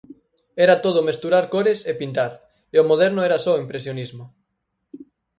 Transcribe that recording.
Era todo mesturar cores e pintar e o moderno era só o impresionismo.